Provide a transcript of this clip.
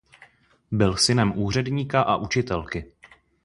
Byl synem úředníka a učitelky.